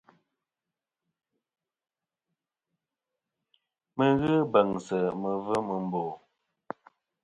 Mi ghɨ beŋsɨ mivim mbo.